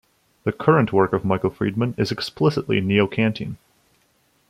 The current work of Michael Friedman is explicitly neo-Kantian.